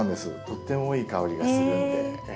とってもいい香りがするんで。